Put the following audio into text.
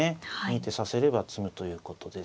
一手指せれば詰むということです。